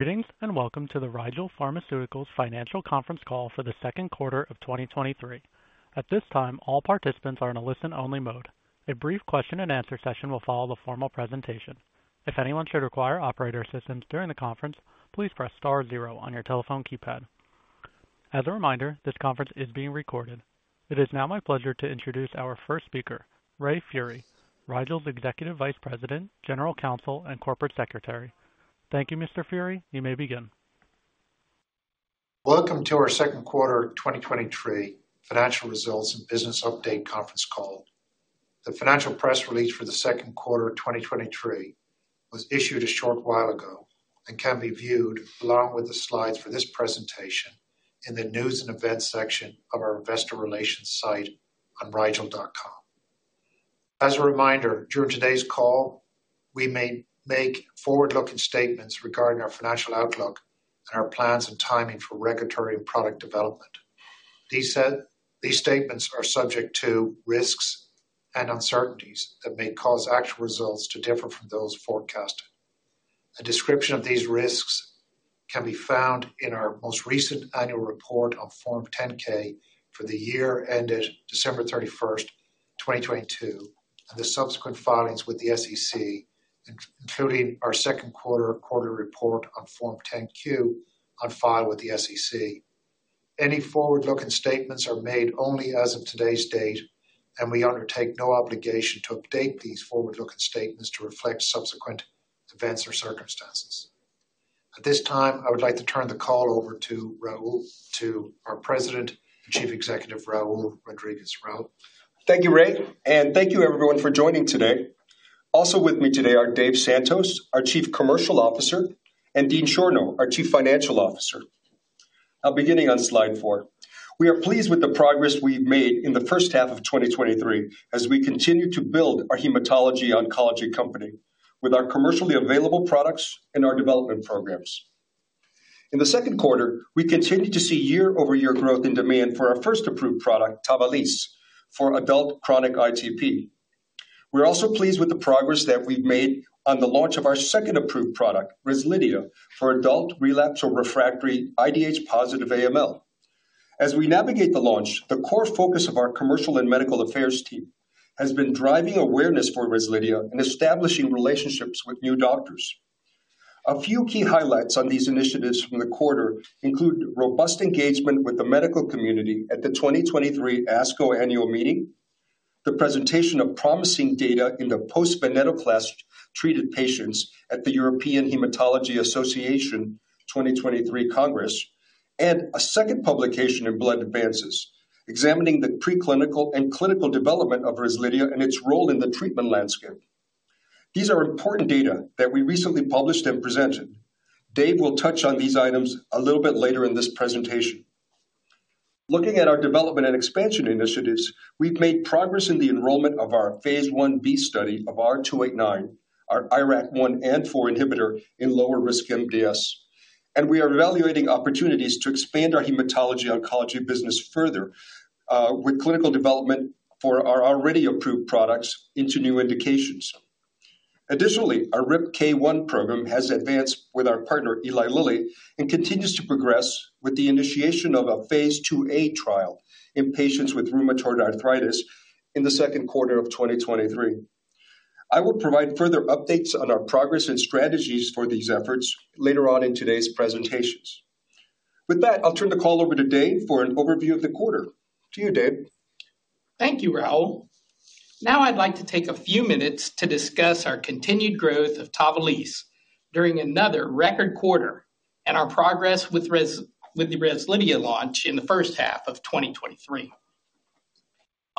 Greetings, and welcome to the Rigel Pharmaceuticals Financial Conference Call for the second quarter of 2023. At this time, all participants are in a listen-only mode. A brief question and answer session will follow the formal presentation. If anyone should require operator assistance during the conference, please press star 0 on your telephone keypad. As a reminder, this conference is being recorded. It is now my pleasure to introduce our first speaker, Ray Furey, Rigel's Executive Vice President, General Counsel, and Corporate Secretary. Thank you, Mr. Furey. You may begin. Welcome to our second quarter 2023 financial results and business update conference call. The financial press release for the second quarter of 2023 was issued a short while ago and can be viewed along with the slides for this presentation in the News and Events section of our investor relations site on rigel.com. As a reminder, during today's call, we may make forward-looking statements regarding our financial outlook and our plans and timing for regulatory and product development. These statements are subject to risks and uncertainties that may cause actual results to differ from those forecasted. A description of these risks can be found in our most recent annual report on Form 10-K for the year ended December 31st, 2022, and the subsequent filings with the SEC, including our second quarterly report on Form 10-Q on file with the SEC. Any forward-looking statements are made only as of today's date. We undertake no obligation to update these forward-looking statements to reflect subsequent events or circumstances. At this time, I would like to turn the call over to Raul, to our President and Chief Executive, Raul Rodriguez. Raul? Thank you, Ray. Thank you everyone for joining today. Also with me today are Dave Santos, our Chief Commercial Officer, and Dean Schorno, our Chief Financial Officer. Beginning on slide four. We are pleased with the progress we've made in the first half of 2023 as we continue to build our hematology-oncology company with our commercially available products and our development programs. In the second quarter, we continued to see year-over-year growth in demand for our first approved product, TAVALISSE, for adult chronic ITP. We're also pleased with the progress that we've made on the launch of our second approved product, REZLIDHIA, for adult relapsed or refractory IDH-positive AML. As we navigate the launch, the core focus of our Commercial and Medical Affairs team has been driving awareness for REZLIDHIA and establishing relationships with new doctors. A few key highlights on these initiatives from the quarter include robust engagement with the medical community at the 2023 ASCO annual meeting, the presentation of promising data into post-venetoclax-treated patients at the European Hematology Association 2023 Congress, and a second publication in Blood Advances, examining the preclinical and clinical development of REZLIDHIA and its role in the treatment landscape. These are important data that we recently published and presented. Dave will touch on these items a little bit later in this presentation. Looking at our development and expansion initiatives, we've made progress in the enrollment of our phase Ib study of R289, our IRAK1 and IRAK4 inhibitor in lower-risk MDS, and we are evaluating opportunities to expand our hematology-oncology business further with clinical development for our already approved products into new indications. Additionally, our RIPK1 program has advanced with our partner, Eli Lilly, and continues to progress with the initiation of a phase IIa trial in patients with rheumatoid arthritis in the second quarter of 2023. I will provide further updates on our progress and strategies for these efforts later on in today's presentations. With that, I'll turn the call over to Dave for an overview of the quarter. To you, Dave. Thank you, Raul. Now, I'd like to take a few minutes to discuss our continued growth of TAVALISSE during another record quarter and our progress with the REZLIDHIA launch in the first half of 2023.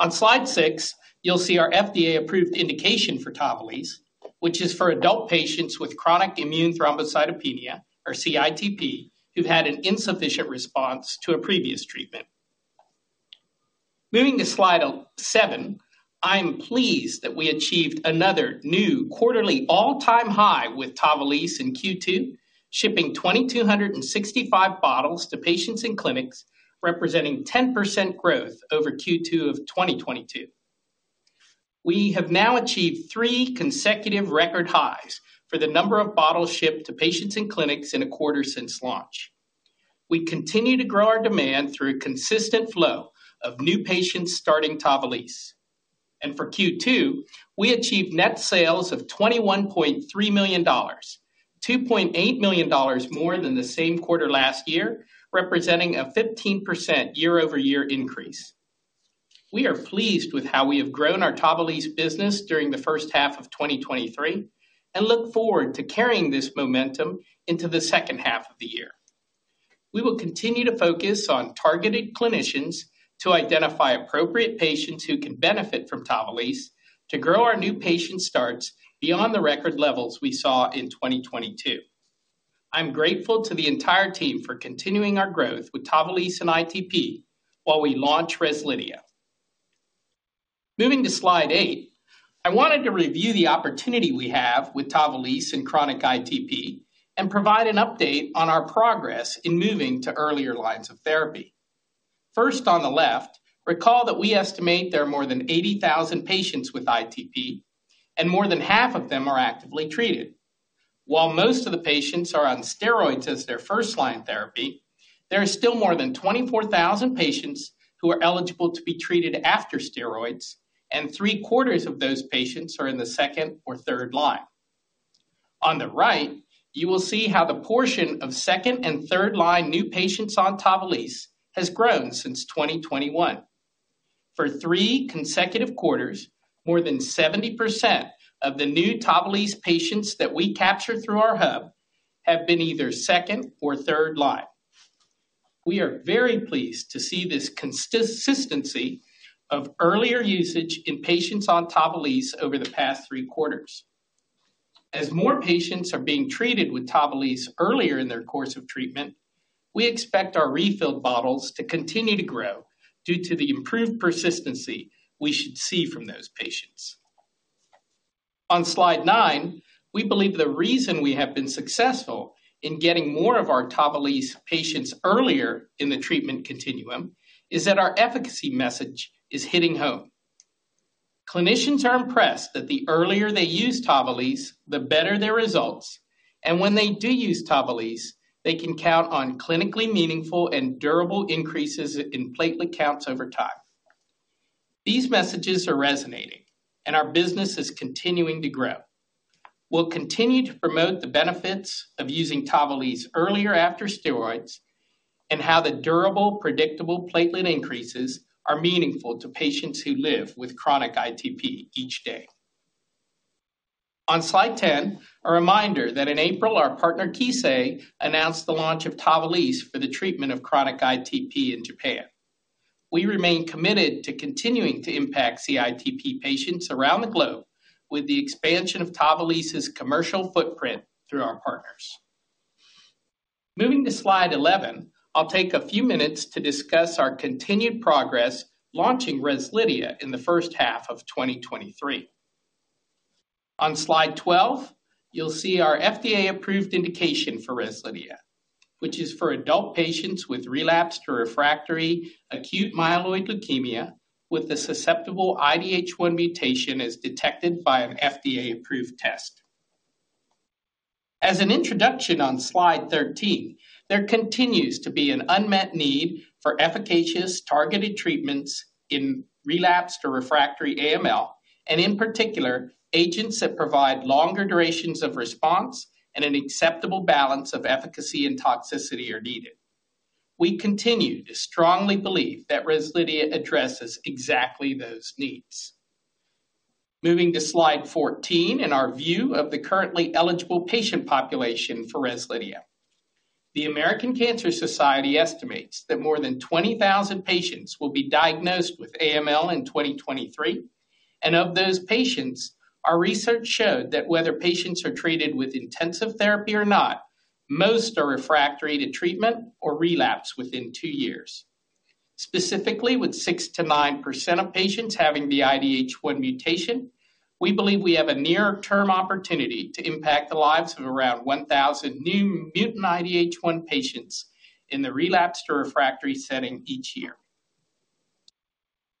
On slide six, you'll see our FDA-approved indication for TAVALISSE, which is for adult patients with chronic immune thrombocytopenia, or CITP, who've had an insufficient response to a previous treatment. Moving to slide seven, I'm pleased that we achieved another new quarterly all-time high with TAVALISSE in Q2, shipping 2,265 bottles to patients in clinics, representing 10% growth over Q2 of 2022. We have now achieved three consecutive record highs for the number of bottles shipped to patients in clinics in a quarter since launch. We continue to grow our demand through consistent flow of new patients starting TAVALISSE. For Q2, we achieved net sales of $21.3 million, $2.8 million more than the same quarter last year, representing a 15% year-over-year increase. We are pleased with how we have grown our TAVALISSE business during the first half of 2023 and look forward to carrying this momentum into the second half of the year. We will continue to focus on targeted clinicians to identify appropriate patients who can benefit from TAVALISSE to grow our new patient starts beyond the record levels we saw in 2022. I'm grateful to the entire team for continuing our growth with TAVALISSE and ITP while we launch REZLIDHIA. Moving to slide eight, I wanted to review the opportunity we have with TAVALISSE in chronic ITP and provide an update on our progress in moving to earlier lines of therapy. First, on the left, recall that we estimate there are more than 80,000 patients with ITP, and more than half of them are actively treated. While most of the patients are on steroids as their first-line therapy, there are still more than 24,000 patients who are eligible to be treated after steroids, and 3/4 of those patients are in the second or third line. On the right, you will see how the portion of second and third-line new patients on TAVALISSE has grown since 2021. For three consecutive quarters, more than 70% of the new TAVALISSE patients that we capture through our hub have been either second or third line. We are very pleased to see this consistency of earlier usage in patients on TAVALISSE over the past 3 quarters. As more patients are being treated with TAVALISSE earlier in their course of treatment, we expect our refill bottles to continue to grow due to the improved persistency we should see from those patients. On slide nine, we believe the reason we have been successful in getting more of our TAVALISSE patients earlier in the treatment continuum is that our efficacy message is hitting home. Clinicians are impressed that the earlier they use TAVALISSE, the better their results, and when they do use TAVALISSE, they can count on clinically meaningful and durable increases in platelet counts over time. These messages are resonating, and our business is continuing to grow. We'll continue to promote the benefits of using TAVALISSE earlier after steroids, and how the durable, predictable platelet increases are meaningful to patients who live with chronic ITP each day. On slide 10, a reminder that in April, our partner, Kissei, announced the launch of TAVALISSE for the treatment of chronic ITP in Japan. We remain committed to continuing to impact CITP patients around the globe with the expansion of TAVALISSE's commercial footprint through our partners. Moving to slide 11, I'll take a few minutes to discuss our continued progress launching REZLIDHIA in the first half of 2023. On slide 12, you'll see our FDA-approved indication for REZLIDHIA, which is for adult patients with relapsed or refractory acute myeloid leukemia, with the susceptible IDH1 mutation as detected by an FDA-approved test. As an introduction on slide 13, there continues to be an unmet need for efficacious, targeted treatments in relapsed or refractory AML, and in particular, agents that provide longer durations of response and an acceptable balance of efficacy and toxicity are needed. We continue to strongly believe that REZLIDHIA addresses exactly those needs. Moving to slide 14, in our view of the currently eligible patient population for REZLIDHIA. The American Cancer Society estimates that more than 20,000 patients will be diagnosed with AML in 2023. Of those patients, our research showed that whether patients are treated with intensive therapy or not, most are refractory to treatment or relapse within two years. Specifically, with 6%-9% of patients having the IDH1 mutation, we believe we have a near-term opportunity to impact the lives of around 1,000 new mutant IDH1 patients in the relapsed or refractory setting each year.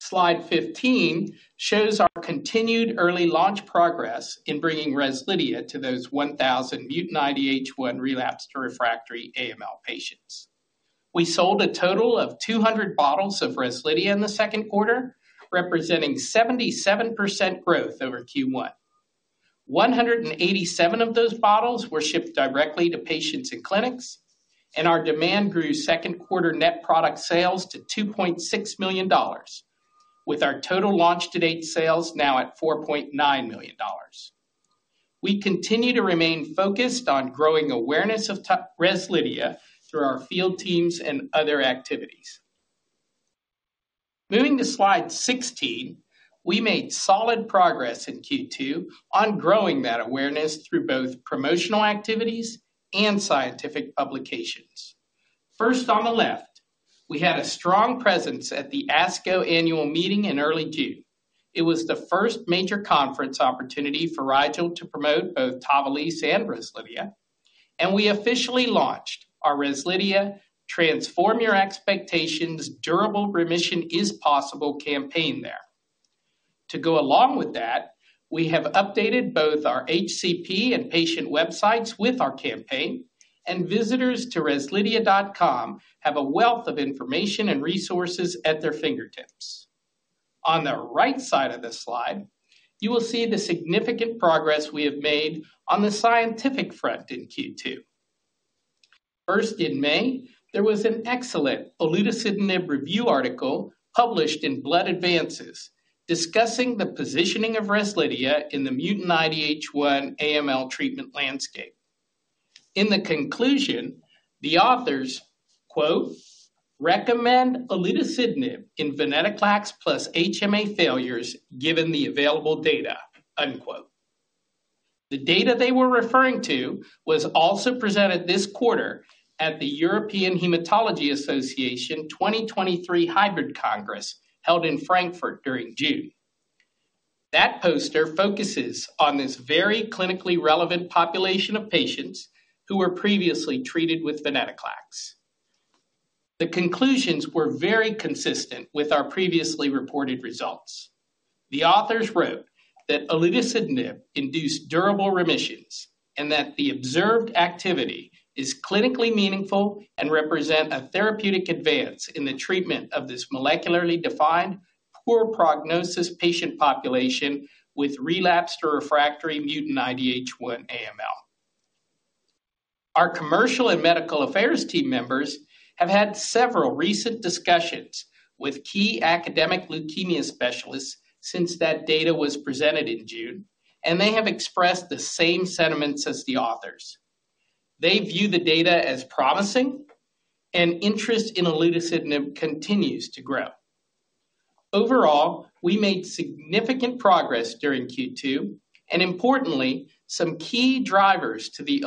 Slide 15 shows our continued early launch progress in bringing REZLIDHIA to those 1,000 mutant IDH1 relapsed or refractory AML patients. We sold a total of 200 bottles of REZLIDHIA in the second quarter, representing 77% growth over Q1. 187 of those bottles were shipped directly to patients and clinics, and our demand grew second quarter net product sales to $2.6 million, with our total launch to date sales now at $4.9 million. We continue to remain focused on growing awareness of REZLIDHIA through our field teams and other activities. Moving to slide 16, we made solid progress in Q2 on growing that awareness through both promotional activities and scientific publications. First, on the left, we had a strong presence at the ASCO Annual Meeting in early June. It was the first major conference opportunity for Rigel to promote both TAVALISSE and REZLIDHIA, and we officially launched our REZLIDHIA Transform Your Expectations: Durable Remission Is Possible campaign there. To go along with that, we have updated both our HCP and patient websites with our campaign, and visitors to rezlidhia.com have a wealth of information and resources at their fingertips. On the right side of this slide, you will see the significant progress we have made on the scientific front in Q2. First, in May, there was an excellent olutasidenib review article published in Blood Advances, discussing the positioning of REZLIDHIA in the mutant IDH1 AML treatment landscape. In the conclusion, the authors, "Recommend olutasidenib in venetoclax plus HMA failures given the available data." The data they were referring to was also presented this quarter at the European Hematology Association 2023 Hybrid Congress, held in Frankfurt during June. That poster focuses on this very clinically relevant population of patients who were previously treated with venetoclax. The conclusions were very consistent with our previously reported results. The authors wrote that olutasidenib induced durable remissions. That the observed activity is clinically meaningful and represent a therapeutic advance in the treatment of this molecularly defined, poor prognosis patient population with relapsed or refractory mutant IDH1 AML. Our commercial and medical affairs team members have had several recent discussions with key academic leukemia specialists since that data was presented in June. They have expressed the same sentiments as the authors. They view the data as promising. Interest in olutasidenib continues to grow. Overall, we made significant progress during Q2. Importantly, some key drivers to the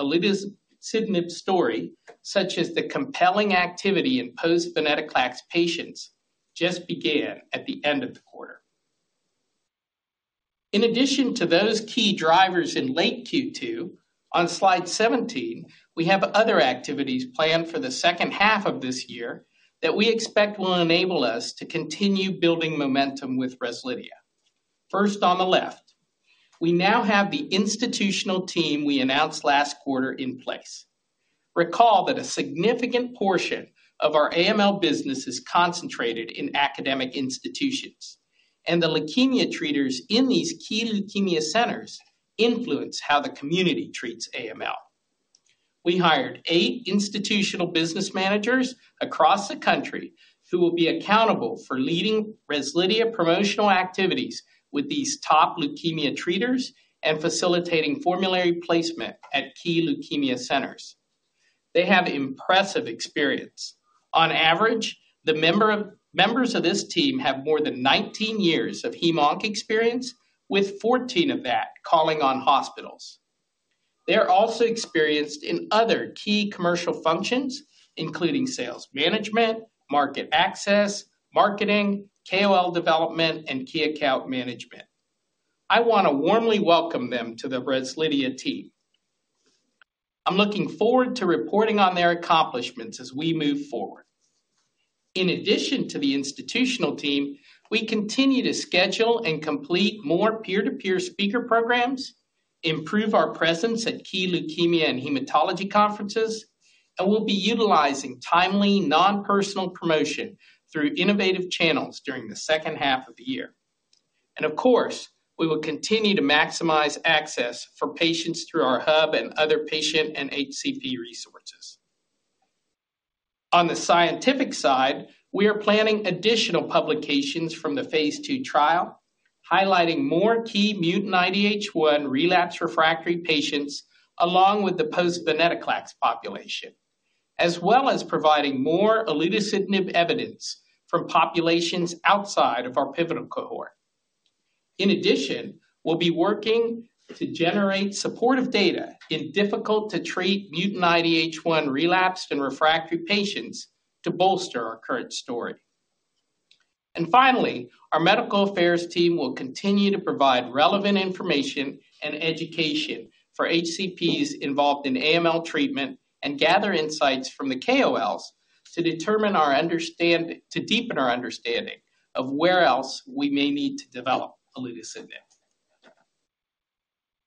olutasidenib story, such as the compelling activity in post-venetoclax patients, just began at the end of the quarter. In addition to those key drivers in late Q2, on slide 17, we have other activities planned for the second half of this year that we expect will enable us to continue building momentum with REZLIDHIA. First, on the left, we now have the institutional team we announced last quarter in place. Recall that a significant portion of our AML business is concentrated in academic institutions, and the leukemia treaters in these key leukemia centers influence how the community treats AML. We hired eight institutional business managers across the country who will be accountable for leading REZLIDHIA promotional activities with these top leukemia treaters and facilitating formulary placement at key leukemia centers. They have impressive experience. On average, the members of this team have more than 19 years of heme/onc experience, with 14 of that calling on hospitals. They are also experienced in other key commercial functions, including sales management, market access, marketing, KOL development, and key account management. I want to warmly welcome them to the REZLIDHIA team. I'm looking forward to reporting on their accomplishments as we move forward. In addition to the institutional team, we continue to schedule and complete more peer-to-peer speaker programs, improve our presence at key leukemia and hematology conferences, and we'll be utilizing timely, non-personal promotion through innovative channels during the second half of the year. Of course, we will continue to maximize access for patients through our hub and other patient and HCP resources. On the scientific side, we are planning additional publications from the phase II trial, highlighting more key mutant IDH1 relapse refractory patients, along with the post-venetoclax population, as well as providing more olutasidenib evidence from populations outside of our pivotal cohort. In addition, we'll be working to generate supportive data in difficult-to-treat mutant IDH1 relapsed and refractory patients to bolster our current story. Finally, our medical affairs team will continue to provide relevant information and education for HCPs involved in AML treatment and gather insights from the KOLs to deepen our understanding of where else we may need to develop olutasidenib.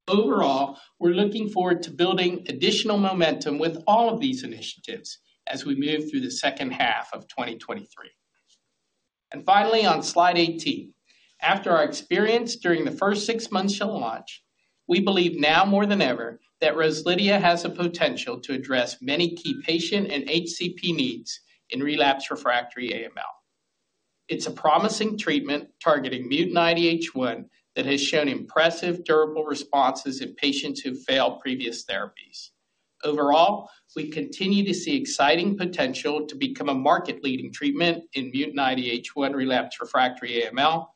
Overall, we're looking forward to building additional momentum with all of these initiatives as we move through the second half of 2023. Finally, on slide 18, after our experience during the first six months of launch, we believe now more than ever, that REZLIDHIA has the potential to address many key patient and HCP needs in relapsed refractory AML. It's a promising treatment targeting mutant IDH1 that has shown impressive durable responses in patients who failed previous therapies. Overall, we continue to see exciting potential to become a market-leading treatment in mutant IDH1 relapsed refractory AML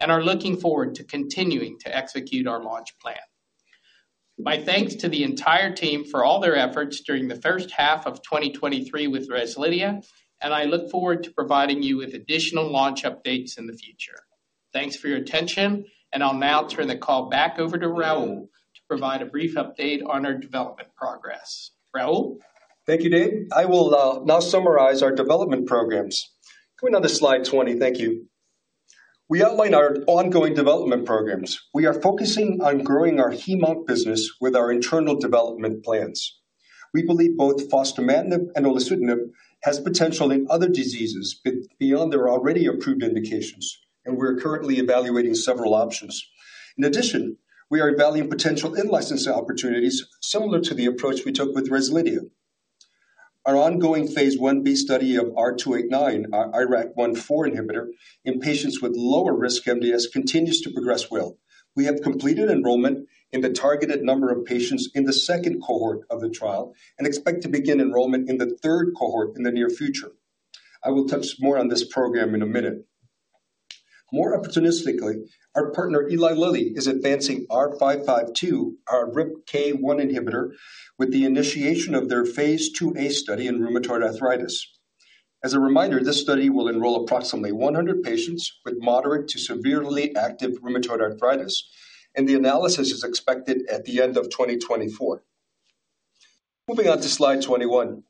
and are looking forward to continuing to execute our launch plan. My thanks to the entire team for all their efforts during the first half of 2023 with REZLIDHIA, and I look forward to providing you with additional launch updates in the future. Thanks for your attention, and I'll now turn the call back over to Raul to provide a brief update on our development progress. Raul? Thank you, Dave. I will now summarize our development programs. Can we on the slide 20? Thank you. We outline our ongoing development programs. We are focusing on growing our hemo business with our internal development plans. We believe both fostamatinib and olutasidenib has potential in other diseases beyond their already approved indications, we're currently evaluating several options. In addition, we are evaluating potential in-license opportunities similar to the approach we took with REZLIDHIA. Our ongoing phase Ib study of R289, our IRAK1/4 inhibitor, in patients with lower-risk MDS, continues to progress well. We have completed enrollment in the targeted number of patients in the second cohort of the trial expect to begin enrollment in the third cohort in the near future. I will touch more on this program in a minute. More opportunistically, our partner, Eli Lilly, is advancing R552, our RIPK1 inhibitor, with the initiation of their phase IIa study in rheumatoid arthritis. As a reminder, this study will enroll approximately 100 patients with moderate to severely active rheumatoid arthritis, and the analysis is expected at the end of 2024. Moving on to slide 21.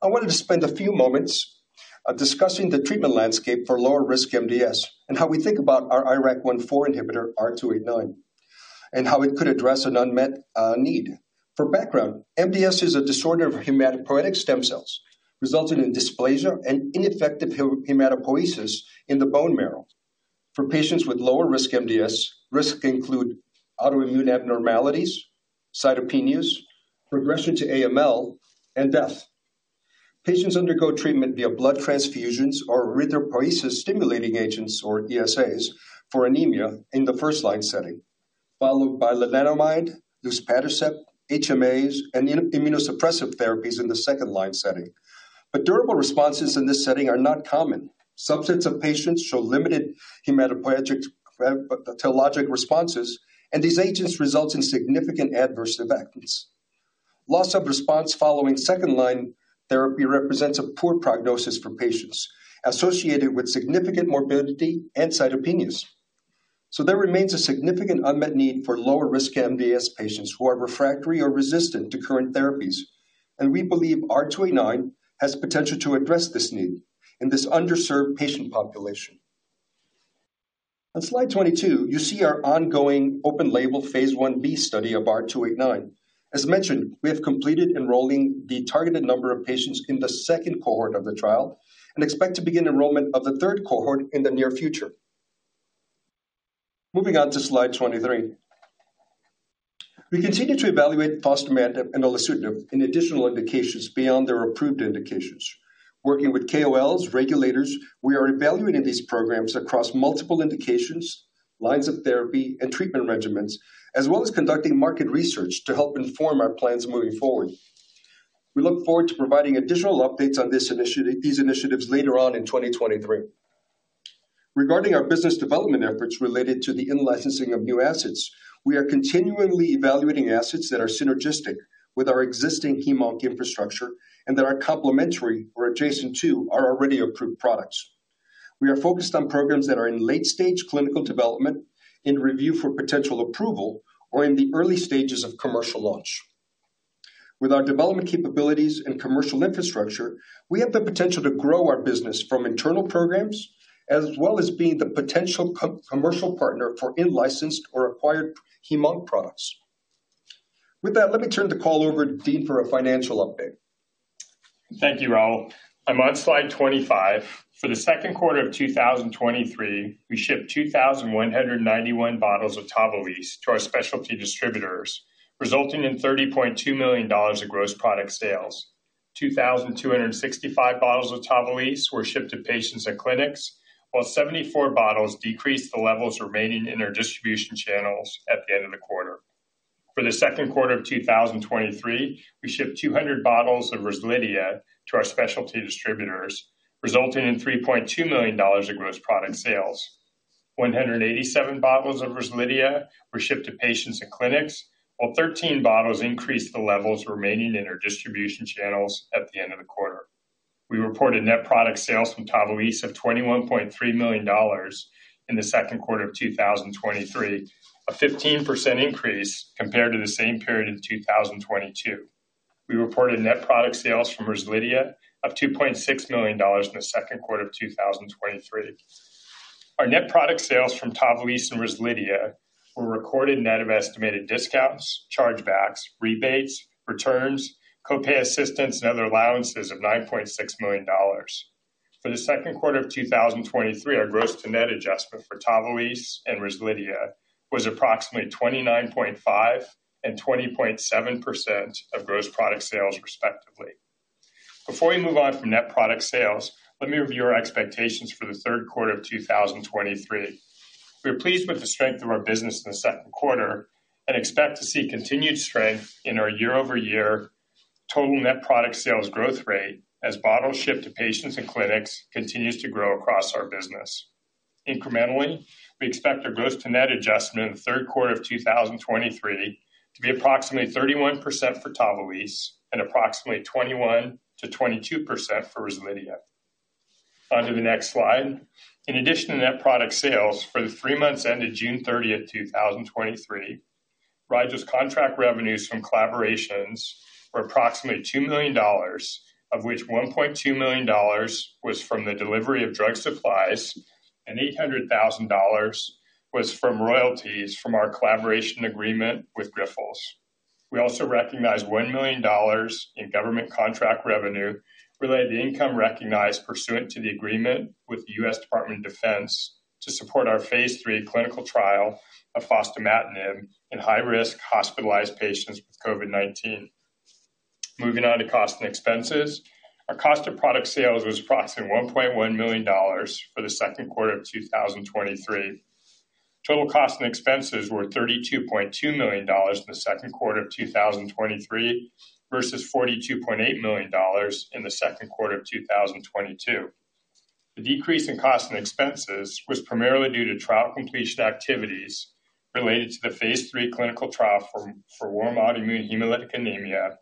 I wanted to spend a few moments discussing the treatment landscape for lower-risk MDS and how we think about our IRAK1/4 inhibitor, R289, and how it could address an unmet need. For background, MDS is a disorder of hematopoietic stem cells, resulting in dysplasia and ineffective hematopoiesis in the bone marrow. For patients with lower-risk MDS, risks include autoimmune abnormalities, cytopenias, progression to AML, and death. Patients undergo treatment via blood transfusions or erythropoiesis-stimulating agents, or ESAs, for anemia in the first-line setting, followed by lenalidomide, luspatercept, HMAs, and immunosuppressive therapies in the second-line setting. Durable responses in this setting are not common. Subsets of patients show limited hematopoietic, hematologic responses, and these agents result in significant adverse events. Loss of response following second-line therapy represents a poor prognosis for patients associated with significant morbidity and cytopenias. There remains a significant unmet need for lower-risk MDS patients who are refractory or resistant to current therapies, and we believe R289 has potential to address this need in this underserved patient population. On slide 22, you see our ongoing open label phase Ib study of R289. As mentioned, we have completed enrolling the targeted number of patients in the second cohort of the trial and expect to begin enrollment of the third cohort in the near future. Moving on to slide 23. We continue to evaluate fostamatinib and olutasidenib in additional indications beyond their approved indications. Working with KOLs, regulators, we are evaluating these programs across multiple indications, lines of therapy, and treatment regimens, as well as conducting market research to help inform our plans moving forward. We look forward to providing additional updates on these initiatives later on in 2023. Regarding our business development efforts related to the in-licensing of new assets, we are continually evaluating assets that are synergistic with our existing heme/onc infrastructure and that are complementary or adjacent to our already approved products. We are focused on programs that are in late-stage clinical development, in review for potential approval, or in the early stages of commercial launch. With our development capabilities and commercial infrastructure, we have the potential to grow our business from internal programs, as well as being the potential co-commercial partner for in-licensed or acquired heme/onc products. With that, let me turn the call over to Dean for a financial update. Thank you, Raul. I'm on slide 25. For the second quarter of 2023, we shipped 2,191 bottles of TAVALISSE to our specialty distributors, resulting in $30.2 million of gross product sales. 2,265 bottles of TAVALISSE were shipped to patients and clinics, while 74 bottles decreased the levels remaining in their distribution channels at the end of the quarter. For the second quarter of 2023, we shipped 200 bottles of REZLIDHIA to our specialty distributors, resulting in $3.2 million of gross product sales. 187 bottles of REZLIDHIA were shipped to patients and clinics, while 13 bottles increased the levels remaining in our distribution channels at the end of the quarter. We reported net product sales from TAVALISSE of $21.3 million in the second quarter of 2023, a 15% increase compared to the same period in 2022. We reported net product sales from REZLIDHIA of $2.6 million in the second quarter of 2023. Our net product sales from TAVALISSE and REZLIDHIA were recorded net of estimated discounts, chargebacks, rebates, returns, co-pay assistance, and other allowances of $9.6 million. For the second quarter of 2023, our gross to net adjustment for TAVALISSE and REZLIDHIA was approximately 29.5% and 20.7% of gross product sales, respectively. Before we move on from net product sales, let me review our expectations for the third quarter of 2023. We are pleased with the strength of our business in the second quarter and expect to see continued strength in our year-over-year total net product sales growth rate as bottles shipped to patients and clinics continues to grow across our business. Incrementally, we expect our gross to net adjustment in the third quarter of 2023 to be approximately 31% for TAVALISSE and approximately 21%-22% for REZLIDHIA. On to the next slide. In addition to net product sales for the three months ended June 30th, 2023, Ridgeback's contract revenues from collaborations were approximately $2 million, of which $1.2 million was from the delivery of drug supplies and $800,000 was from royalties from our collaboration agreement with Grifols. We also recognized $1 million in government contract revenue related to income recognized pursuant to the agreement with the U.S. Department of Defense to support our phase III clinical trial of fostamatinib in high-risk hospitalized patients with COVID-19. Moving on to costs and expenses. Our cost of product sales was approximately $1.1 million for the second quarter of 2023. Total costs and expenses were $32.2 million in the second quarter of 2023 versus $42.8 million in the second quarter of 2022. The decrease in costs and expenses was primarily due to trial completion activities related to the phase III clinical trial for warm autoimmune hemolytic anemia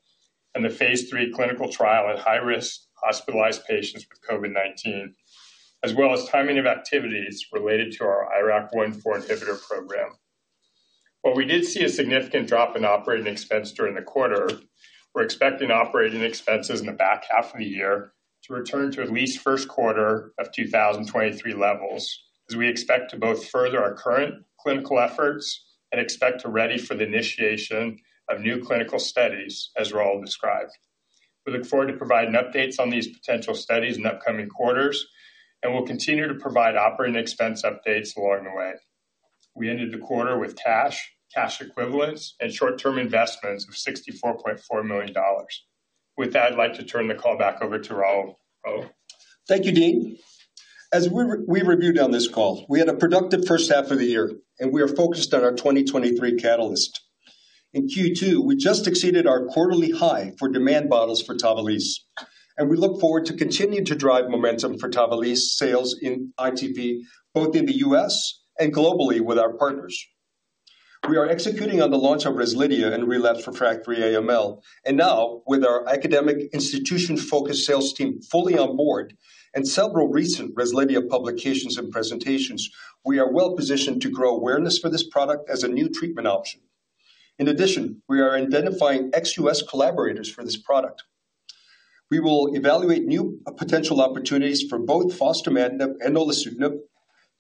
and the phase III clinical trial at high-risk hospitalized patients with COVID-19, as well as timing of activities related to our IRAK1 inhibitor program. While we did see a significant drop in operating expense during the quarter, we're expecting operating expenses in the back half of the year to return to at least first quarter of 2023 levels, as we expect to both further our current clinical efforts and expect to ready for the initiation of new clinical studies, as Raul described. We look forward to providing updates on these potential studies in upcoming quarters, and we'll continue to provide operating expense updates along the way. We ended the quarter with cash, cash equivalents, and short-term investments of $64.4 million. With that, I'd like to turn the call back over to Raul. Raul? Thank you, Dean. As we, we reviewed on this call, we had a productive first half of the year, and we are focused on our 2023 catalyst. In Q2, we just exceeded our quarterly high for demand bottles for TAVALISSE, and we look forward to continuing to drive momentum for TAVALISSE sales in ITP, both in the U.S. and globally with our partners. We are executing on the launch of REZLIDHIA and relapsed/refractory AML. Now with our academic institution-focused sales team fully on board and several recent REZLIDHIA publications and presentations, we are well-positioned to grow awareness for this product as a new treatment option. In addition, we are identifying ex-U.S. collaborators for this product. We will evaluate new potential opportunities for both fostamatinib and olutasidenib,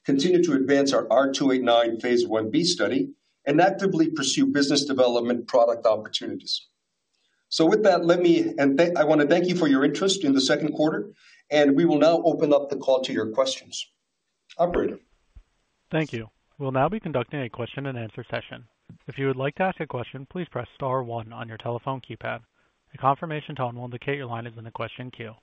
continue to advance our R289 phase Ib study, and actively pursue business development product opportunities. With that, let me and thank-- I want to thank you for your interest in the second quarter, and we will now open up the call to your questions. Operator? Thank you. We'll now be conducting a question-and-answer session. If you would like to ask a question, please press star one on your telephone keypad. A confirmation tone will indicate your line is in the question queue.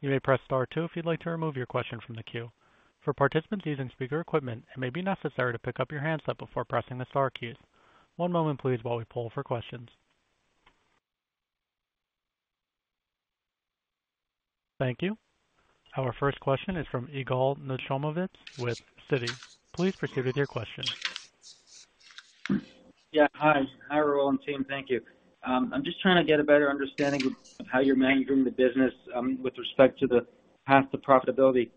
You may press star two if you'd like to remove your question from the queue. For participants using speaker equipment, it may be necessary to pick up your handset before pressing the star keys. One moment please while we poll for questions. Thank you. Our first question is from Yigal Nochomovitz with Citi. Please proceed with your question. Yeah. Hi. Hi, Raul and team. Thank you. I'm just trying to get a better understanding of how you're managing the business with respect to the path to profitability.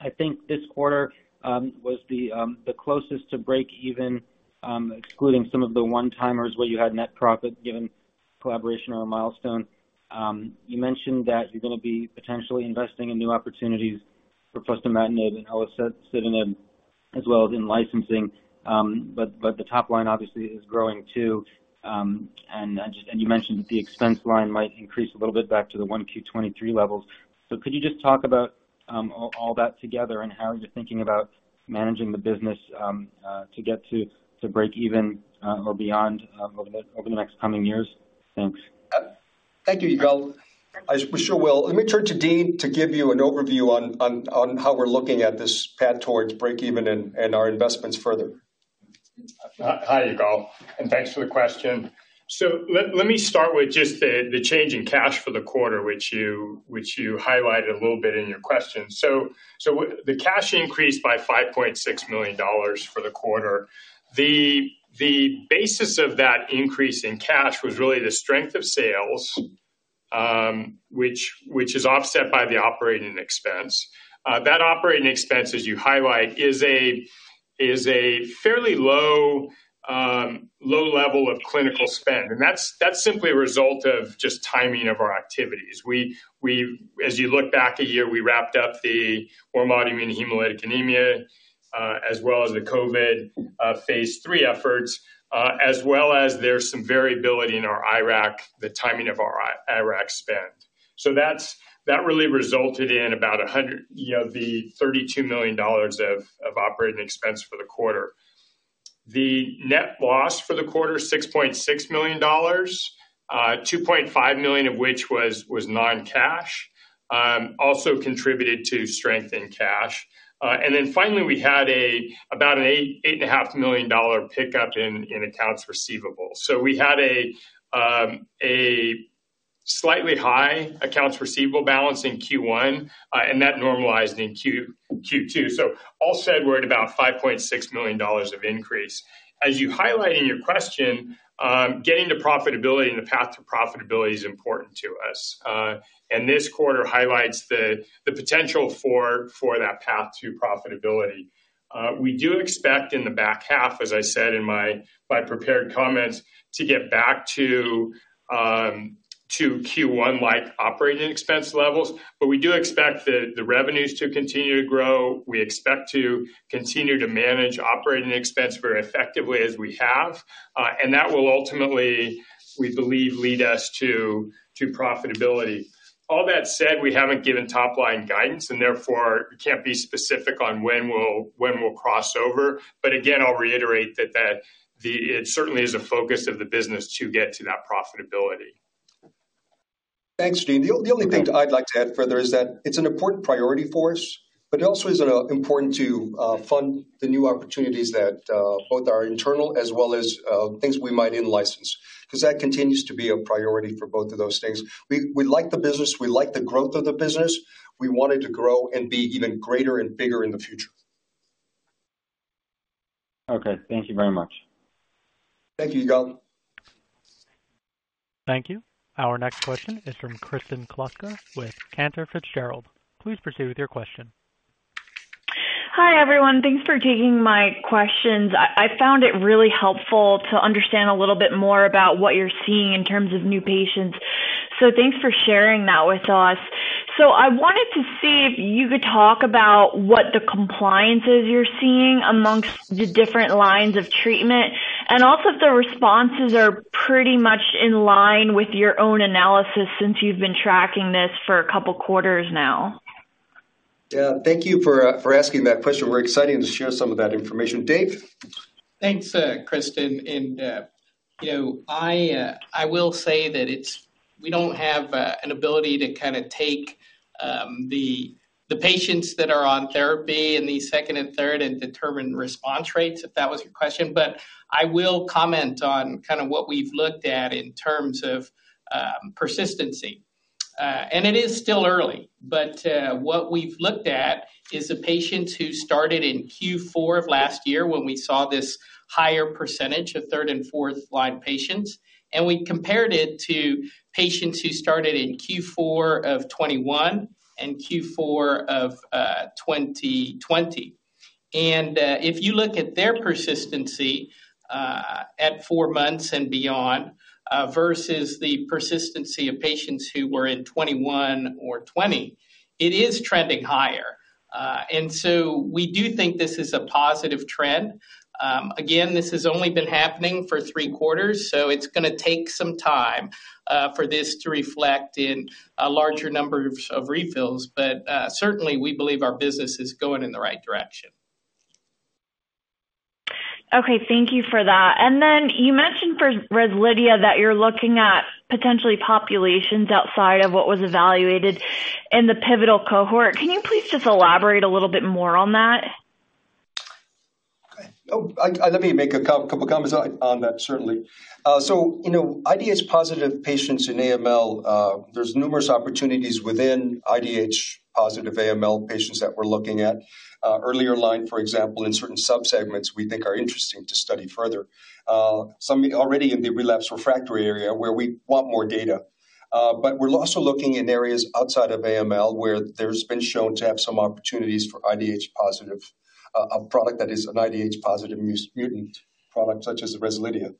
I think this quarter was the closest to break even, excluding some of the one-timers where you had net profit, given collaboration or a milestone. You mentioned that you're going to be potentially investing in new opportunities for fostamatinib and olutasidenib, as well as in licensing. The top line obviously is growing, too. You mentioned the expense line might increase a little bit back to the 1Q-2023 levels. Could you just talk about all that together and how you're thinking about managing the business to get to break even or beyond over the next coming years? Thanks. Thank you, Yigal. I sure will. Let me turn to Dean to give you an overview on, on, on how we're looking at this path towards break even and, and our investments further. Hi, Yigal, thanks for the question. Let me start with just the change in cash for the quarter, which you highlighted a little bit in your question. The cash increased by $5.6 million for the quarter. The basis of that increase in cash was really the strength of sales, which is offset by the operating expense. That operating expense, as you highlight, is a fairly low level of clinical spend, that's simply a result of just timing of our activities. As you look back a year, we wrapped up the warm autoimmune hemolytic anemia, as well as the COVID phase III efforts, as well as there's some variability in our IRAK, the timing of our IRAK spend. That's. That really resulted in about $32 million of operating expense for the quarter. The net loss for the quarter, $6.6 million, $2.5 million of which was non-cash, also contributed to strength in cash. Then finally, we had about an $8.5 million pickup in accounts receivable. We had a slightly high accounts receivable balance in Q1, and that normalized in Q2. All said, we're at about $5.6 million of increase. As you highlight in your question, getting to profitability and the path to profitability is important to us. This quarter highlights the potential for that path to profitability. We do expect in the back half, as I said in my, my prepared comments, to get back to Q1-like operating expense levels, but we do expect the, the revenues to continue to grow. We expect to continue to manage operating expense very effectively as we have, and that will ultimately, we believe, lead us to, to profitability. All that said, we haven't given top-line guidance, and therefore, we can't be specific on when we'll, when we'll cross over. But again, I'll reiterate that it certainly is a focus of the business to get to that profitability. Thanks, Dean. The only thing I'd like to add further is that it's an important priority for us, but it also is important to fund the new opportunities that both are internal as well as things we might in-license, because that continues to be a priority for both of those things. We, we like the business, we like the growth of the business. We want it to grow and be even greater and bigger in the future. Okay, thank you very much. Thank you, Yigal. Thank you. Our next question is from Kristen Kluska with Cantor Fitzgerald. Please proceed with your question. Hi, everyone. Thanks for taking my questions. I, I found it really helpful to understand a little bit more about what you're seeing in terms of new patients. Thanks for sharing that with us. I wanted to see if you could talk about what the compliances you're seeing amongst the different lines of treatment, and also if the responses are pretty much in line with your own analysis since you've been tracking this for a couple quarters now. Yeah, thank you for for asking that question. We're excited to share some of that information. Dave? Thanks, Kristen. You know, I will say that it's we don't have an ability to kinda take the patients that are on therapy in the second and third and determine response rates, if that was your question. I will comment on kind of what we've looked at in terms of persistency. It is still early, but what we've looked at is the patients who started in Q4 of last year, when we saw this higher percentage of third and fourth line patients, and we compared it to patients who started in Q4 of 2021 and Q4 of 2020. If you look at their persistency at four months and beyond versus the persistency of patients who were in 2021 or 2020, it is trending higher. We do think this is a positive trend. Again, this has only been happening for three quarters, so it's gonna take some time for this to reflect in a larger number of, of refills. Certainly, we believe our business is going in the right direction. Okay, thank you for that. Then you mentioned for REZLIDHIA that you're looking at potentially populations outside of what was evaluated in the pivotal cohort. Can you please just elaborate a little bit more on that? Okay. Oh, let me make a couple comments on, on that, certainly. You know, IDH-positive patients in AML, there's numerous opportunities within IDH-positive AML patients that we're looking at. Earlier line, for example, in certain subsegments we think are interesting to study further. Some already in the relapsed refractory area where we want more data. We're also looking in areas outside of AML, where there's been shown to have some opportunities for IDH-positive, a product that is an IDH-positive mutant product, such as the REZLIDHIA.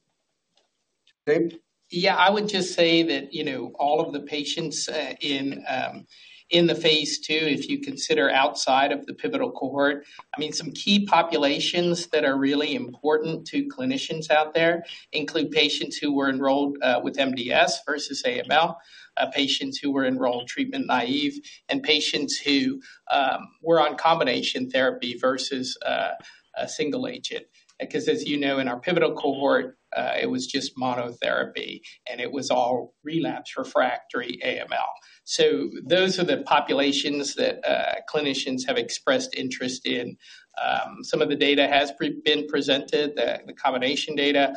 Dave? Yeah, I would just say that, you know, all of the patients, in the phase II, if you consider outside of the pivotal cohort, I mean, some key populations that are really important to clinicians out there include patients who were enrolled with MDS versus AML, patients who were enrolled treatment-naive, and patients who were on combination therapy versus a single agent. As you know, in our pivotal cohort, it was just monotherapy, and it was all relapsed refractory AML. Those are the populations that clinicians have expressed interest in. Some of the data has pre- been presented, the, the combination data,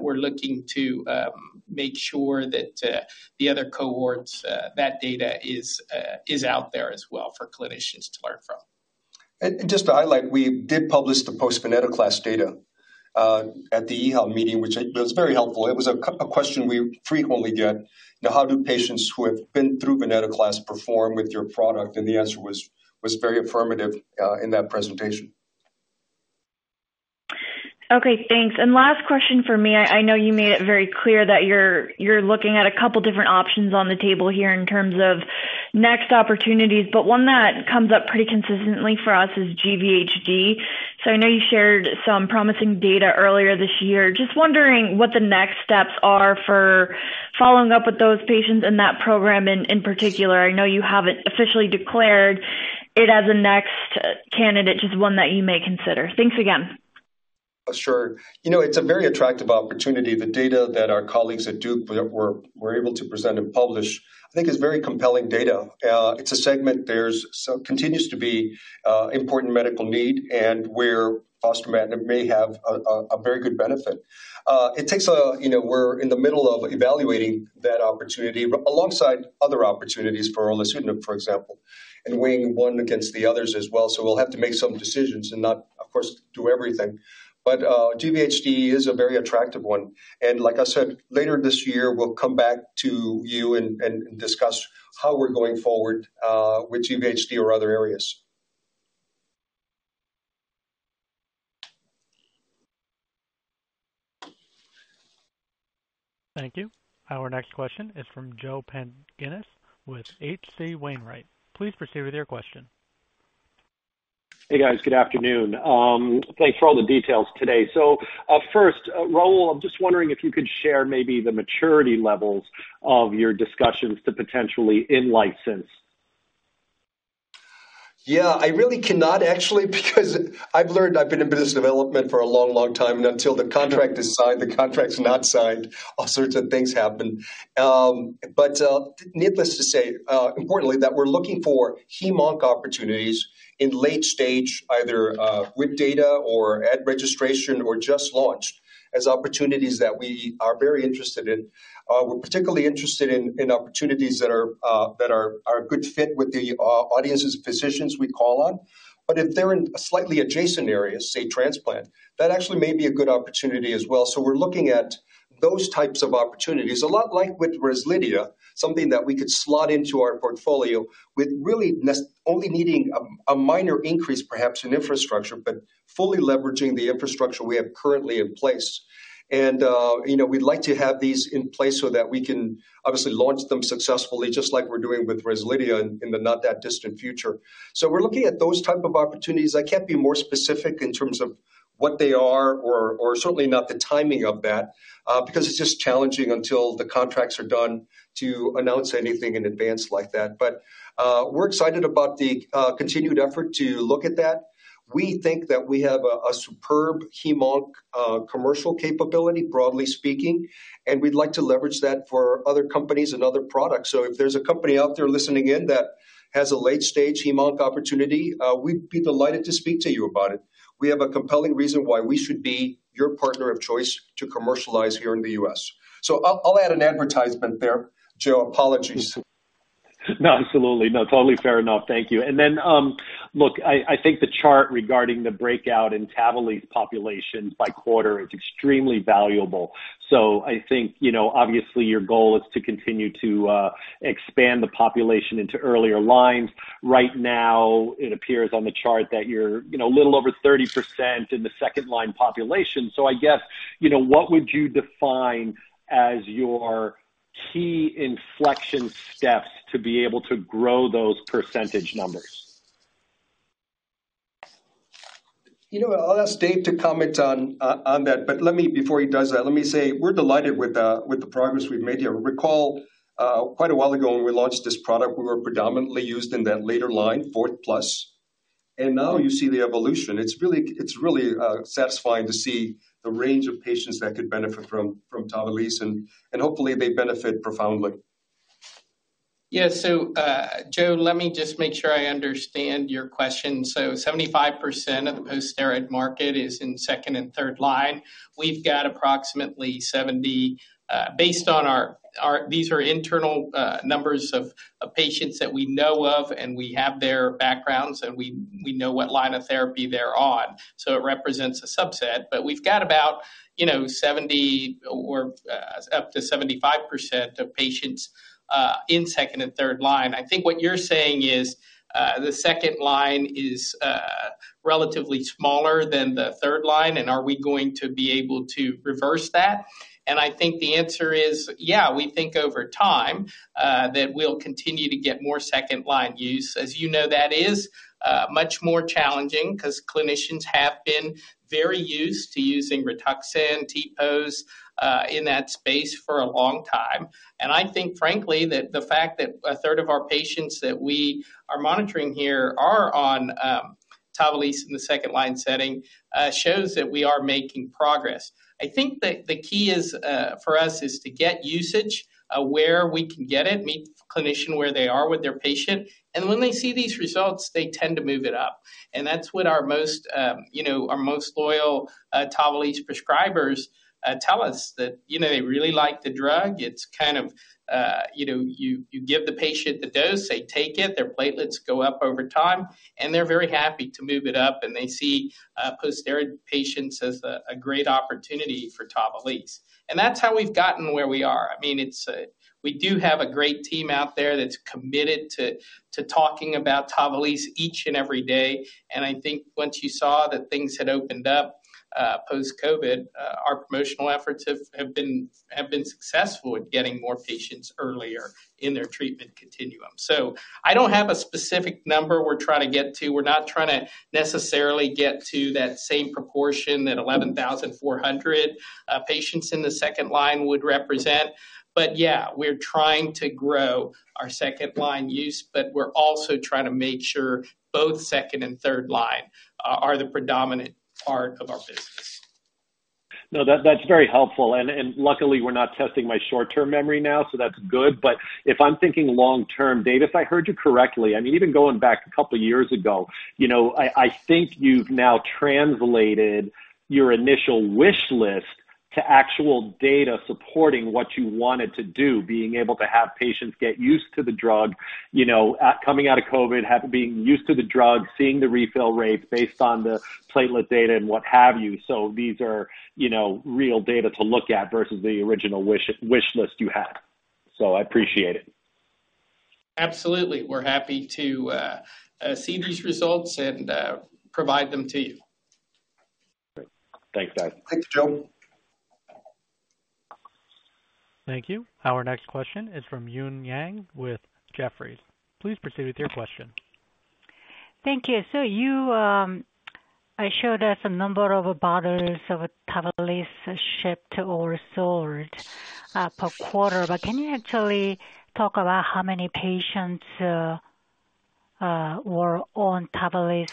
we're looking to make sure that the other cohorts, that data is out there as well for clinicians to learn from. Just to highlight, we did publish the post-venetoclax data at the EHA meeting, which it was very helpful. It was a question we frequently get, "Now, how do patients who have been through venetoclax perform with your product?" The answer was, was very affirmative in that presentation. Okay, thanks. Last question for me. I know you made it very clear that you're looking at a couple different options on the table here in terms of next opportunities, but one that comes up pretty consistently for us is GVHD. I know you shared some promising data earlier this year. Just wondering what the next steps are for following up with those patients in that program, and in particular, I know you haven't officially declared it as a next candidate, just one that you may consider. Thanks again. Sure. You know, it's a very attractive opportunity. The data that our colleagues at Duke were able to present and publish, I think, is very compelling data. It's a segment there continues to be important medical need and where fostamatinib may have a very good benefit. It takes You know, we're in the middle of evaluating that opportunity, but alongside other opportunities for olutasidenib, for example, and weighing one against the others as well. We'll have to make some decisions and not, of course, do everything. GVHD is a very attractive one. Like I said, later this year, we'll come back to you and discuss how we're going forward with GVHD or other areas. Thank you. Our next question is from Joe Pantginis with H.C. Wainwright. Please proceed with your question. Hey, guys. Good afternoon. Thanks for all the details today. First, Raul, I'm just wondering if you could share maybe the maturity levels of your discussions to potentially in-license?... Yeah, I really cannot actually, because I've learned I've been in business development for a long, long time, and until the contract is signed, the contract's not signed, all sorts of things happen. Needless to say, importantly, that we're looking for heme/onc opportunities in late stage, either with data or ad registration or just launched, as opportunities that we are very interested in. We're particularly interested in, in opportunities that are that are, are a good fit with the audiences, physicians we call on. If they're in slightly adjacent areas, say, transplant, that actually may be a good opportunity as well. We're looking at those types of opportunities, a lot like with REZLIDHIA, something that we could slot into our portfolio with really only needing a minor increase, perhaps in infrastructure, but fully leveraging the infrastructure we have currently in place. You know, we'd like to have these in place so that we can obviously launch them successfully, just like we're doing with REZLIDHIA in, in the not that distant future. We're looking at those type of opportunities. I can't be more specific in terms of what they are or, or certainly not the timing of that, because it's just challenging until the contracts are done to announce anything in advance like that. We're excited about the continued effort to look at that. We think that we have a, a superb heme/onc commercial capability, broadly speaking, and we'd like to leverage that for other companies and other products. If there's a company out there listening in that has a late-stage heme/onc opportunity, we'd be delighted to speak to you about it. We have a compelling reason why we should be your partner of choice to commercialize here in the U.S. I'll, I'll add an advertisement there, Joe. Apologies. No, absolutely. No, totally fair enough. Thank you. Then, look, I, I think the chart regarding the breakout in TAVALISSE population by quarter is extremely valuable. I think, you know, obviously, your goal is to continue to expand the population into earlier lines. Right now, it appears on the chart that you're, you know, a little over 30% in the second-line population. I guess, you know, what would you define as your key inflection steps to be able to grow those percentage numbers? You know, I'll ask Dave to comment on, on that, but let me. Before he does that, let me say, we're delighted with, with the progress we've made here. Recall, quite a while ago, when we launched this product, we were predominantly used in that later line, fourth plus. Now you see the evolution. It's really, it's really, satisfying to see the range of patients that could benefit from, from TAVALISSE, and, and hopefully they benefit profoundly. Yeah, so, Joe, let me just make sure I understand your question. 75% of the post-steroid market is in second and third line. We've got approximately 70, based on our, these are internal, numbers of patients that we know of, and we have their backgrounds, and we, we know what line of therapy they're on, so it represents a subset. We've got about, you know, 70% or up to 75% of patients in second and third line. I think what you're saying is, the second line is relatively smaller than the third line, and are we going to be able to reverse that? I think the answer is, yeah, we think over time, that we'll continue to get more second-line use. As you know, that is much more challenging because clinicians have been very used to using Rituxan, TPOs, in that space for a long time. I think, frankly, that the fact that a third of our patients that we are monitoring here are on TAVALISSE in the second line setting, shows that we are making progress. I think that the key is for us, is to get usage where we can get it, meet the clinician where they are with their patient, and when they see these results, they tend to move it up. That's what our most, you know, our most loyal TAVALISSE prescribers tell us, that, you know, they really like the drug. It's kind of, you know, you, you give the patient the dose, they take it, their platelets go up over time, and they're very happy to move it up, and they see post-steroid patients as a great opportunity for TAVALISSE. That's how we've gotten where we are. I mean, it's, we do have a great team out there that's committed to, to talking about TAVALISSE each and every day, and I think once you saw that things had opened up, post-COVID, our promotional efforts have, have been, have been successful at getting more patients earlier in their treatment continuum. I don't have a specific number we're trying to get to. We're not trying to necessarily get to that same proportion that 11,400 patients in the second line would represent. Yeah, we're trying to grow our second-line use, but we're also trying to make sure both second and third line are the predominant part of our business. No, that, that's very helpful, and, and luckily, we're not testing my short-term memory now, so that's good. If I'm thinking long term, Dave, if I heard you correctly, I mean, even going back two years ago, you know, I, I think you've now translated your initial wish list to actual data supporting what you wanted to do, being able to have patients get used to the drug, you know, coming out of COVID, being used to the drug, seeing the refill rates based on the platelet data and what have you. These are, you know, real data to look at versus the original wish, wish list you had. I appreciate it. Absolutely. We're happy to see these results and provide them to you. Great. Thanks, Dave. Thanks, Joe. Thank you. Our next question is from Eun Yang with Jefferies. Please proceed with your question. Thank you. You, I showed us a number of bottles of TAVALISSE shipped or sold per quarter, but can you actually talk about how many patients were on TAVALISSE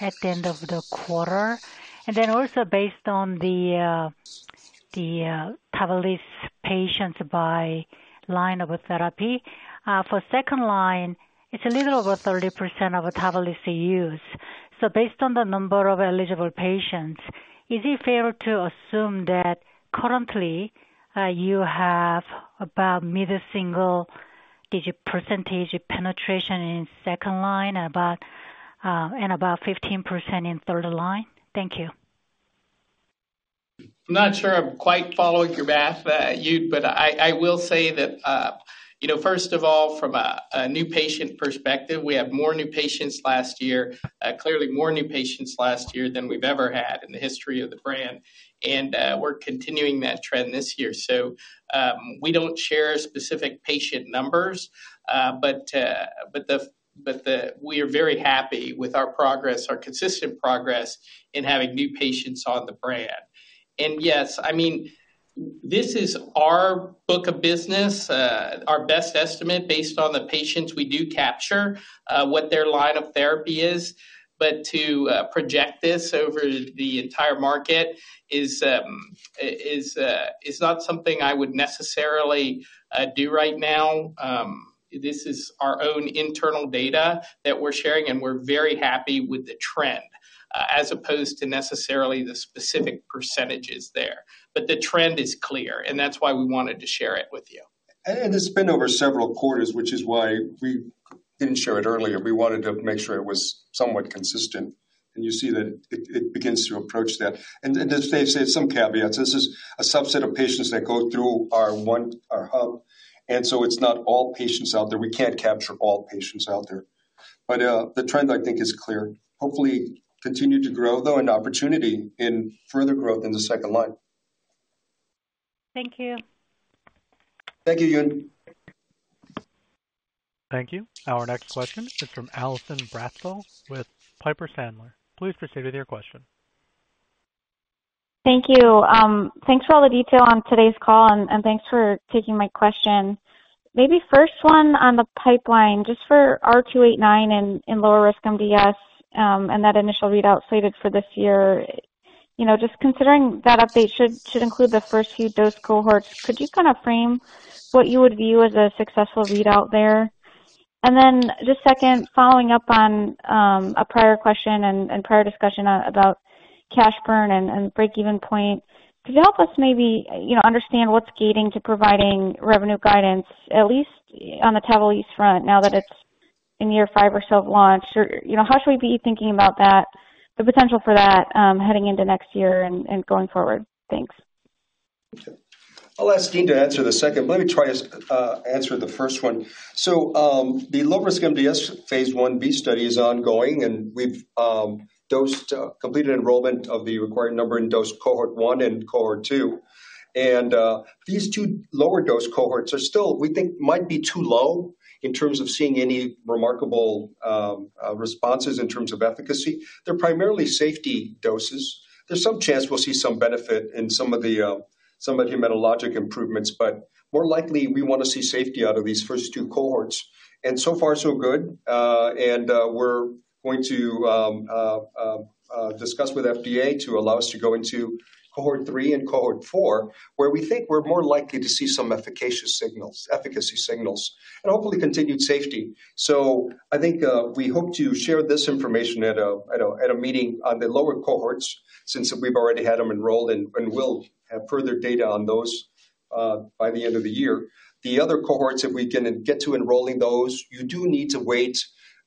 at the end of the quarter? Then also based on the TAVALISSE patients by line of therapy. For second line, it's a little over 30% of TAVALISSE use. Based on the number of eligible patients, is it fair to assume that currently, you have about mid-single digit % of penetration in second line and about and about 15% in third line? Thank you. I'm not sure I'm quite following your math, you, but I, I will say that, you know, first of all, from a new patient perspective, we have more new patients last year, clearly more new patients last year than we've ever had in the history of the brand, and we're continuing that trend this year. We don't share specific patient numbers, but we are very happy with our progress, our consistent progress in having new patients on the brand. Yes, I mean, this is our book of business, our best estimate, based on the patients we do capture, what their line of therapy is. To project this over the entire market is, is not something I would necessarily do right now. This is our own internal data that we're sharing, and we're very happy with the trend, as opposed to necessarily the specific percentages there. The trend is clear, and that's why we wanted to share it with you. It's been over several quarters, which is why we didn't share it earlier. We wanted to make sure it was somewhat consistent, and you see that it, it begins to approach that. As they say, some caveats. This is a subset of patients that go through our hub, and so it's not all patients out there. We can't capture all patients out there. But the trend, I think, is clear. Hopefully, continue to grow, though, and opportunity in further growth in the second line. Thank you. Thank you, Yun. Thank you. Our next question is from Allison Bratzel with Piper Sandler. Please proceed with your question. Thank you. Thanks for all the detail on today's call, and thanks for taking my question. Maybe first one on the pipeline, just for R289 and lower-risk MDS, and that initial readout slated for this year. You know, just considering that update should include the first few dose cohorts, could you kind of frame what you would view as a successful readout there? Then just second, following up on a prior question and prior discussion about cash burn and break-even point. Could you help us maybe, you know, understand what's gating to providing revenue guidance, at least on the TAVALISSE front, now that it's in year five or so of launch? You know, how should we be thinking about that, the potential for that, heading into next year and going forward? Thanks. Okay. I'll ask Dean to answer the second. Let me try to answer the first one. The low-risk MDS phase Ib study is ongoing, and we've dosed, completed enrollment of the required number in dose cohort one and cohort two. These two lower dose cohorts are still, we think, might be too low in terms of seeing any remarkable responses in terms of efficacy. They're primarily safety doses. There's some chance we'll see some benefit in some of the some of the hematologic improvements, but more likely, we want to see safety out of these first two cohorts. So far, so good. We're going to discuss with FDA to allow us to go into cohort three and cohort four, where we think we're more likely to see some efficacious signals, efficacy signals, and hopefully continued safety. I think we hope to share this information at a meeting on the lower cohorts since we've already had them enrolled and, and we'll have further data on those by the end of the year. The other cohorts, if we can get to enrolling those, you do need to wait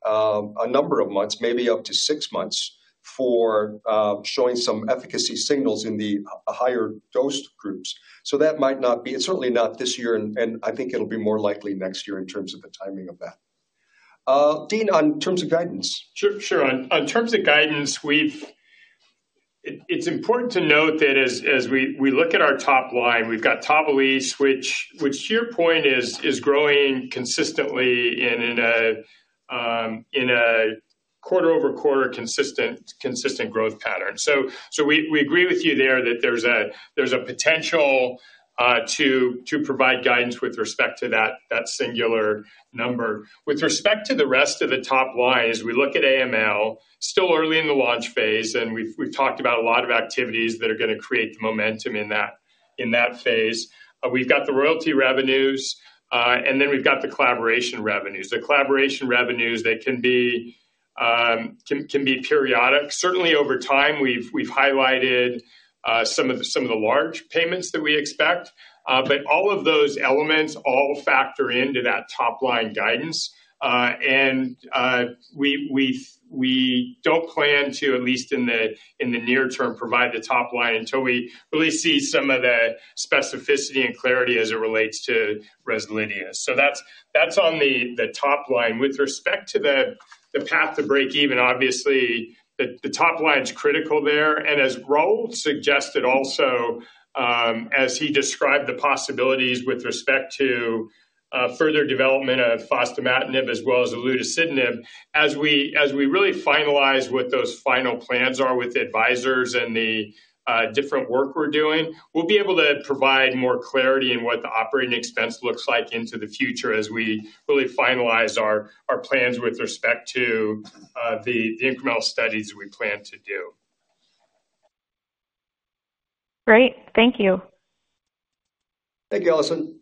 a number of months, maybe up to six months, for showing some efficacy signals in the higher dose groups. That might not be... It's certainly not this year, and, and I think it'll be more likely next year in terms of the timing of that. Dean, on terms of guidance. Sure, sure. On terms of guidance, we've It's important to note that as we look at our top line, we've got TAVALISSE, which, which to your point is, is growing consistently in a quarter-over-quarter consistent, consistent growth pattern. We agree with you there that there's a potential to provide guidance with respect to that, that singular number. With respect to the rest of the top line, as we look at AML, still early in the launch phase, and we've talked about a lot of activities that are gonna create the momentum in that phase. We've got the royalty revenues, and then we've got the collaboration revenues. The collaboration revenues, they can be periodic. Certainly over time, we've, we've highlighted, some of the, some of the large payments that we expect, but all of those elements all factor into that top-line guidance. We, we, we don't plan to, at least in the, in the near term, provide the top line until we really see some of the specificity and clarity as it relates to REZLIDHIA. That's, that's on the, the top line. With respect to the, the path to break even, obviously, the, the top line is critical there. As Raul suggested also, as he described the possibilities with respect to, further development of fostamatinib as well as olutasidenib, as we, as we really finalize what those final plans are with the advisors and the, different work we're doing, we'll be able to provide more clarity in what the operating expense looks like into the future as we really finalize our, our plans with respect to, the, the incremental studies we plan to do. Great. Thank you. Thank you, Allison.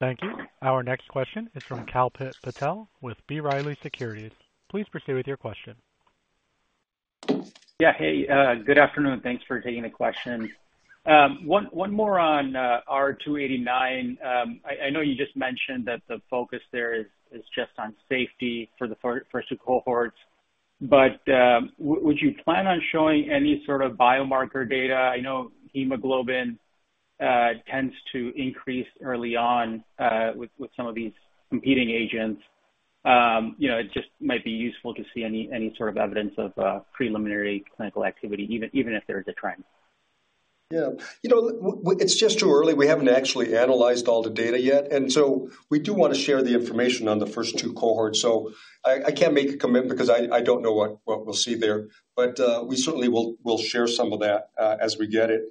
Thank you. Our next question is from Kalpit Patel with B. Riley Securities. Please proceed with your question. Yeah. Hey, good afternoon. Thanks for taking the questions. One, one more on R289. I, I know you just mentioned that the focus there is, is just on safety for the first two cohorts, but would you plan on showing any sort of biomarker data? I know hemoglobin tends to increase early on with some of these competing agents. You know, it just might be useful to see any sort of evidence of preliminary clinical activity, even, even if they're declining. Yeah. You know, it's just too early. We haven't actually analyzed all the data yet. So we do want to share the information on the first two cohorts. I, I can't make a commitment because I, I don't know what, what we'll see there, but we certainly will, will share some of that as we get it.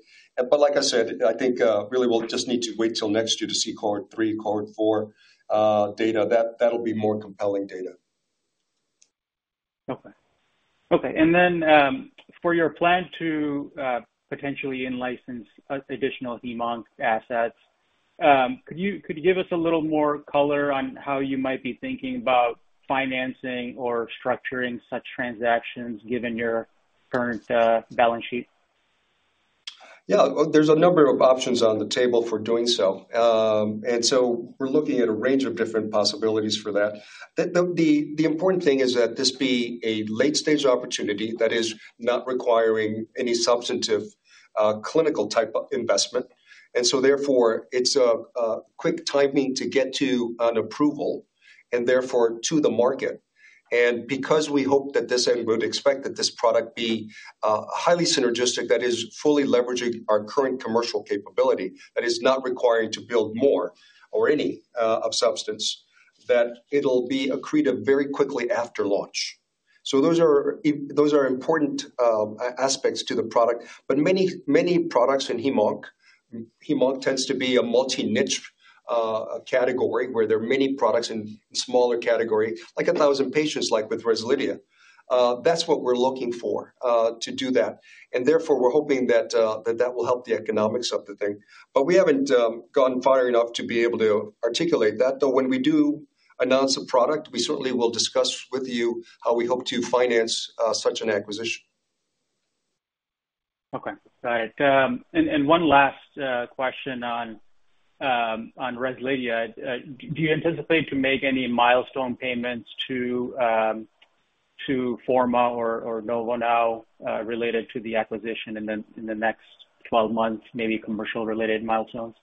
Like I said, I think really we'll just need to wait till next year to see cohort three, cohort four data. That, that'll be more compelling data. Okay. Okay, for your plan to potentially in-license additional heme/onc assets, could you, could you give us a little more color on how you might be thinking about financing or structuring such transactions, given your current balance sheet? Yeah, there's a number of options on the table for doing so. So we're looking at a range of different possibilities for that. The, the, the important thing is that this be a late-stage opportunity that is not requiring any substantive, clinical type of investment. So therefore, it's a, a quick timing to get to an approval and therefore to the market. Because we hope that this, and would expect that this product be, highly synergistic, that is fully leveraging our current commercial capability, that is not requiring to build more or any, of substance, that it'll be accretive very quickly after launch. So those are those are important, aspects to the product. Many, many products in heme/onc, heme/onc tends to be a multi-niche, category, where there are many products in smaller category, like 1,000 patients, like with REZLIDHIA. That's what we're looking for, to do that, and therefore, we're hoping that, that, that will help the economics of the thing. But we haven't, gone far enough to be able to articulate that, though when we do announce a product, we certainly will discuss with you how we hope to finance, such an acquisition. Okay. All right, and one last question on, on REZLIDHIA. Do you anticipate to make any milestone payments to, to Forma or, or Novo now, related to the acquisition in the, in the next 12 months, maybe commercial-related milestones?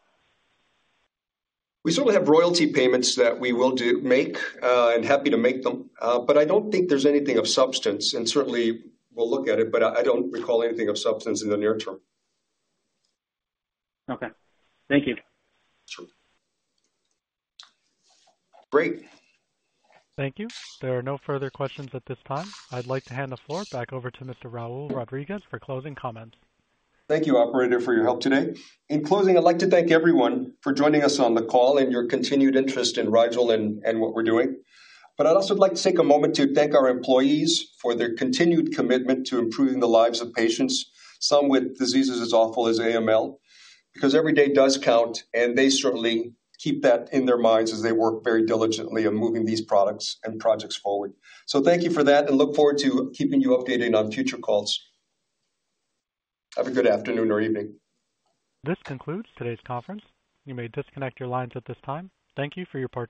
We certainly have royalty payments that we will make, and happy to make them, but I don't think there's anything of substance, and certainly we'll look at it, but I, I don't recall anything of substance in the near term. Okay. Thank you. Sure. Great. Thank you. There are no further questions at this time. I'd like to hand the floor back over to Mr. Raul Rodriguez for closing comments. Thank you, operator, for your help today. In closing, I'd like to thank everyone for joining us on the call and your continued interest in Rigel and what we're doing. I'd also like to take a moment to thank our employees for their continued commitment to improving the lives of patients, some with diseases as awful as AML, because every day does count, and they certainly keep that in their minds as they work very diligently on moving these products and projects forward. Thank you for that, and look forward to keeping you updated on future calls. Have a good afternoon or evening. This concludes today's conference. You may disconnect your lines at this time. Thank you for your participation.